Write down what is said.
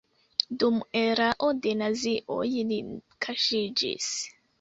Dum erao de nazioj li kaŝiĝis.